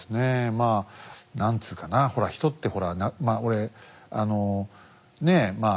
まあ何つうかなほら人ってほら俺ねえまあ